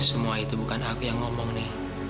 semua itu bukan aku yang ngomong nih